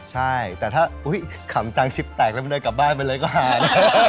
ใช่แต่ถ้าอุ๊ยขำจังซิบแตกแล้วไม่ได้กลับบ้านไปเลยก็หาย